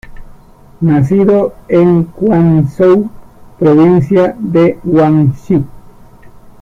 Nacido en Quanzhou, provincia de Guangxi.